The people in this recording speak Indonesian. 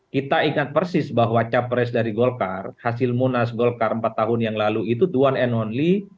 kita ingat persis bahwa capres dari golkar hasil munas golkar empat tahun yang lalu itu the one and only